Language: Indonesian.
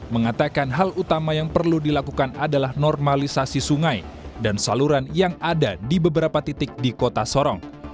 mengatakan hal utama yang perlu dilakukan adalah normalisasi sungai dan saluran yang ada di beberapa titik di kota sorong